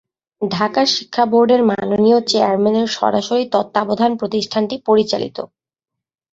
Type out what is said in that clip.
ঢাকা শিক্ষা বোর্ডের মাননীয় চেয়ারম্যানের সরাসরি তত্ত্বাবধান প্রতিষ্ঠানটি পরিচালিত।